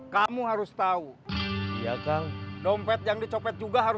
kok ada pencerahan